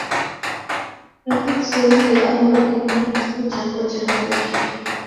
Kwakii kuseendie angu idime ni ituku jako jehoresha